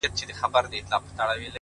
• زما سجده دي ستا د هيلو د جنت مخته وي؛